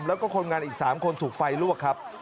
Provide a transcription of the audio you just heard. แล้วก็คนงานอีก๓คนถูกไฟลวกครับ